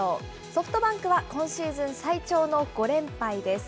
ソフトバンクは今シーズン最長の５連敗です。